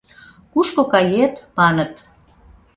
Кушко кает? — маныт.